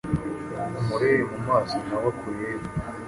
umurebe mu maso na we akurebe,